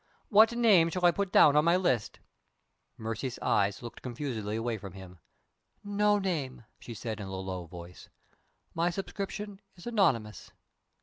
What name shall I put down on my list?" Mercy's eyes looked confusedly away from him. "No name," she said, in a low voice. "My subscription is anonymous."